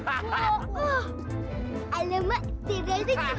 alamak tidak ada yang cepat